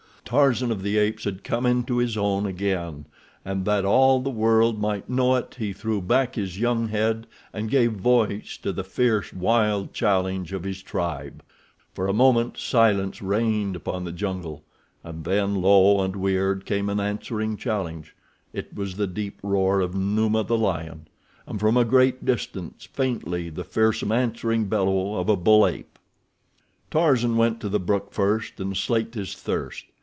Tarzan of the Apes had come into his own again, and that all the world might know it he threw back his young head, and gave voice to the fierce, wild challenge of his tribe. For a moment silence reigned upon the jungle, and then, low and weird, came an answering challenge—it was the deep roar of Numa, the lion; and from a great distance, faintly, the fearsome answering bellow of a bull ape. Tarzan went to the brook first, and slaked his thirst.